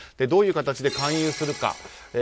どういう形で勧誘するか。